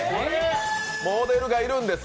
モデルがいるんです。